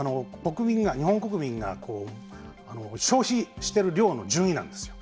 日本国民が消費してる量の順位なんですよ。